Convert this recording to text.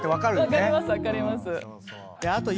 分かります分かります。